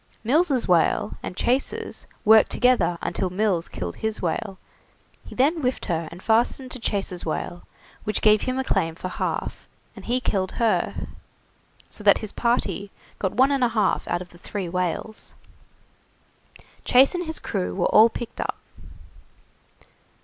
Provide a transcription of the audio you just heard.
Mills' whale and Chase's worked together until Mills killed his whale; he then whiffed her and fastened to Chase's whale, which gave him a claim for half, and he killed her; so that his party got one and a half out of the three whales. Chase and his crew were all picked up.